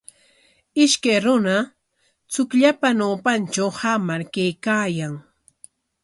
Ishkay runa chukllapa ñawpantraw hamar kaykaayan.